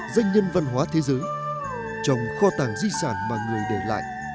doanh nhân văn hóa thế giới trọng kho tàng di sản mà người để lại